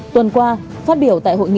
tuần qua phát biểu tại hội nghị